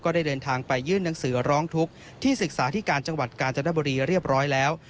ได้เดินทางไปยื่นหนังสือร้องทุกข์ที่ศึกษาที่การจังหวัดกาญจนบุรีเรียบร้อยแล้ว